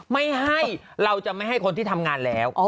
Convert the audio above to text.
ไม่ให้เราจะไม่ให้คนที่ทำงานแล้ว